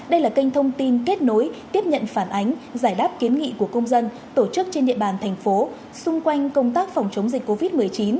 đây là kênh thông tin kết nối tiếp nhận phản ánh giải đáp kiến nghị của công dân tổ chức trên địa bàn thành phố xung quanh công tác phòng chống dịch covid một mươi chín